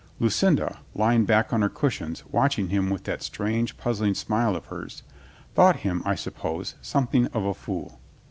Lucinda, lying back on her cushions watching him with that strange, puzzling smile of hers, thought him, I suppose, something of a fool.